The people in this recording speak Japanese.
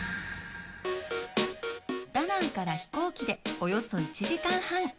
ダナンから飛行機でおよそ１時間半。